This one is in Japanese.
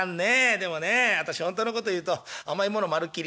でもね私ほんとのこと言うと甘いものまるっきり」。